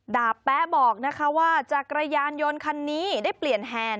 แป๊ะบอกนะคะว่าจักรยานยนต์คันนี้ได้เปลี่ยนแฮนด